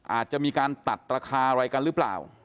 อาจจะมีการตัดราคาอะไรกันหรือเปล่า